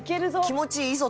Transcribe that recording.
気持ちいいぞ。